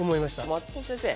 松本先生。